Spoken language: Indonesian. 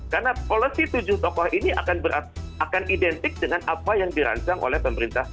karena polisi tujuh tokoh ini akan identik dengan apa yang dirancang oleh pemerintah korea